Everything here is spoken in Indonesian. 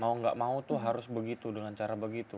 mau gak mau itu harus begitu dengan cara begitu